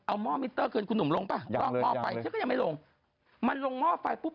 เอาม่อมิเตอร์เงินคุณหนุ่มลงป่ะลองออกไปฉันก็ยังไม่ลงมันลงม่อไฟปุ๊บ